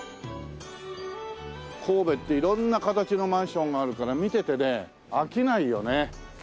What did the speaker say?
神戸って色んな形のマンションがあるから見ててね飽きないよね。